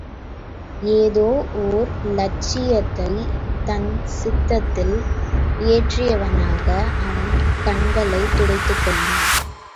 ஏதோ ஓர் இலட்சியத்தைத் தன் சித்தத்தில் ஏற்றியவனாக, அவன் கண்களைத் துடைத்துக் கொண்டான்.